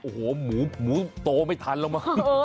โอ้โหหมูโตไม่ทันแล้วมั้ง